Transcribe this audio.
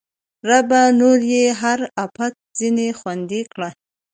ربه! نور یې هر اپت ځنې خوندي کړې